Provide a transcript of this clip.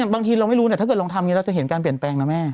บางทีเราไม่รู้ถ้าเกิดลองทำอย่างนี้เราจะเห็นการเปลี่ยนแปลงนะแม่